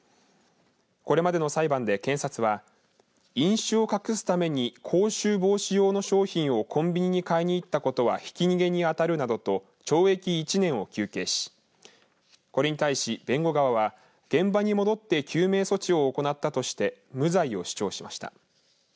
これまでの裁判で、検察は飲酒を隠すために口臭防止用の商品をコンビニに買いに行ったことはひき逃げに当たるなどと懲役１年を求刑しこれに対し弁護側は現場に戻って救命措置を行ったとして無罪を主張しました。